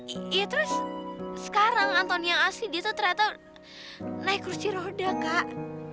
iya terus sekarang antoni yang asli dia tuh ternyata naik kerusi roda kak